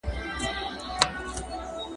ماشومانو ته انځوریز کتابونه واخلئ.